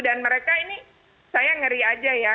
dan mereka ini saya ngeri aja ya